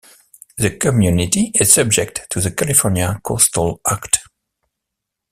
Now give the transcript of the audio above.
The community is subject to the California Coastal Act.